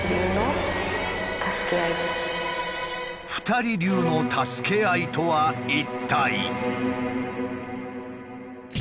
２人流の助け合いとは一体？